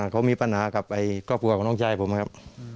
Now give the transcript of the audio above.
เขามีปัญหากับไอน้องชายผมครับ